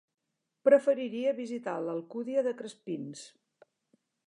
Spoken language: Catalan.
Preferiria visitar l'Alcúdia de Crespins.